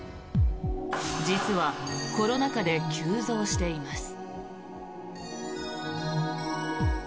実はコロナ禍で急増しています。